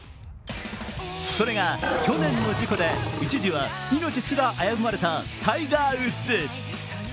それが去年の事故で一時は命すら危ぶまれたタイガー・ウッズ。